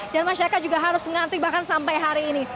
dan masyarakat juga harus mengantri bahkan sampai hari ini